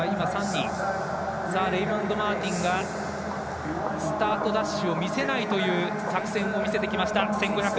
レイモンド・マーティンがスタートダッシュしないという作戦を見せてきました１５００